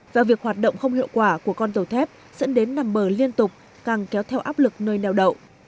và việc hoạt động không hiệu quả của con tàu thép dẫn đến nằm bờ liên tục càng kéo theo áp lực nơi neo đậu